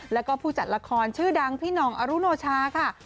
และผู้จัดละครชื่อดังพินองค์อรุณโชฮา